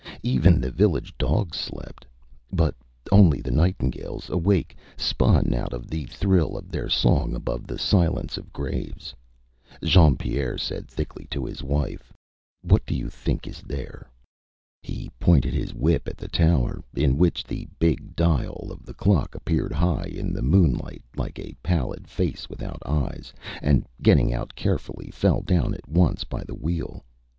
Even the village dogs slept. Only the nightingales, awake, spun out the thrill of their song above the silence of graves. Jean Pierre said thickly to his wife ÂWhat do you think is there?Â He pointed his whip at the tower in which the big dial of the clock appeared high in the moonlight like a pallid face without eyes and getting out carefully, fell down at once by the wheel.